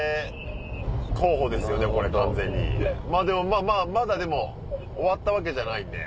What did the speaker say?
まぁでもまだでも終わったわけじゃないんで。